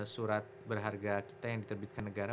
surat berharga kita yang diterbitkan negara